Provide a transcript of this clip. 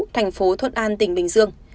thành phố thuận an tỉnh bình dương